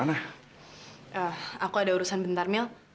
aku ada urusan bentar mil